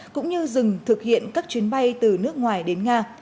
cũng như dừng thực hiện các chuyến bay từ nước ngoài đến nga